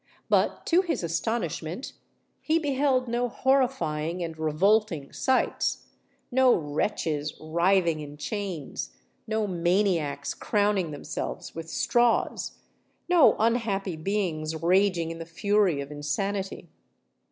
But, to his astonishment, he beheld no horrifying and revolting sights,—no wretches writhing in chains—no maniacs crowning themselves with straws—no unhappy beings raging in the fury of insanity.